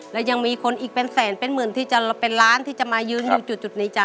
และยังมีคนอีกเป็นแสนเป็นหมื่นที่จะเป็นล้านที่จะมายืนอยู่จุดนี้จ้